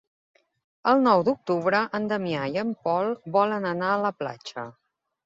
El nou d'octubre en Damià i en Pol volen anar a la platja.